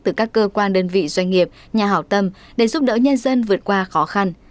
từ các cơ quan đơn vị doanh nghiệp nhà hảo tâm để giúp đỡ nhân dân vượt qua khó khăn